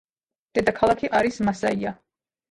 დედაქალაქი არის მასაია.